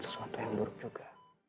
sesuatu yang buruk juga